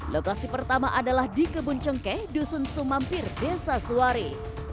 lokasi pertama adalah di kebun cengkeh dusun sumampir desa suwari